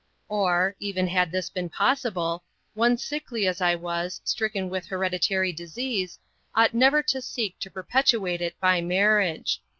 Or, even had this been possible, one sickly as I was, stricken with hereditary disease, ought never to seek to perpetuate it by marriage.